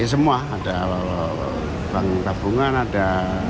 semua ada bank tabungan ada